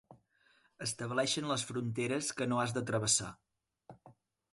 Estableixen les fronteres que no has de travessar.